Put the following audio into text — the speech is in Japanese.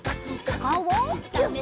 おかおをギュッ！